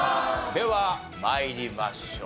では参りましょう。